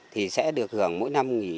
thì sẽ được hưởng mỗi năm nghỉ